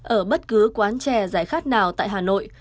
ở bất cứ quán trẻ giải khác nào tại hà nội